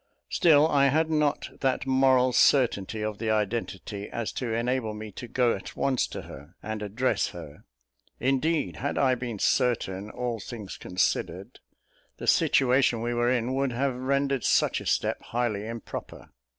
Still I had not that moral certainty of the identity, as to enable me to go at once to her, and address her. Indeed, had I been certain, all things considered, the situation we were in would have rendered such a step highly improper.